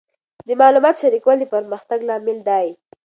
د معلوماتو شریکول د پرمختګ لامل دی.